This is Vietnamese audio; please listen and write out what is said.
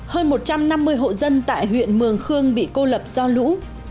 hơn một trăm năm mươi hộ dân tại huyện mường khương bị cô lập do lũ